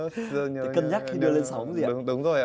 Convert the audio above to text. thì cân nhắc khi đưa lên sóng gì đó thì là